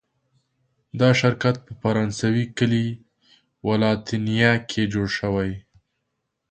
دا شرکت په فرانسوي کلي ولانتینیه کې جوړ شو.